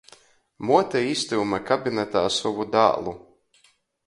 Muotei īstyume kabinetā sovu dālu.